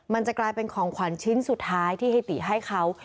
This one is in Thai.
มันจะกลายเป็นของขวัญชิ้นสุดท้ายที่ฮิติให้เขา